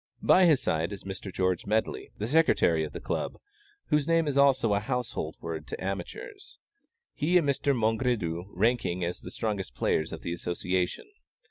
By his side is Mr. George Medley, the Secretary of the Club, whose name is also a "household word" to amateurs; he and Mr. Mongredieu ranking as the strongest players of the association.